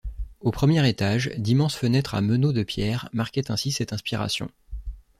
Au premier étage, d'immenses fenêtres à meneaux de pierre marquaient ainsi cette inspiration.